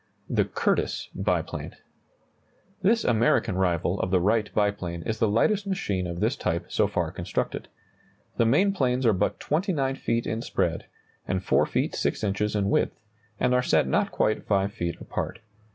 THE CURTISS BIPLANE. This American rival of the Wright biplane is the lightest machine of this type so far constructed. The main planes are but 29 feet in spread, and 4 feet 6 inches in width, and are set not quite 5 feet apart.